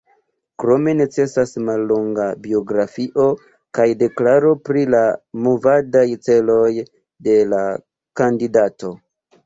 Krome necesas mallonga biografio kaj deklaro pri la movadaj celoj de la kandidato.